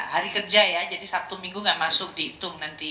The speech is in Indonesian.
hari kerja ya jadi sabtu minggu nggak masuk dihitung nanti